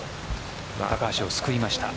高橋を救いました。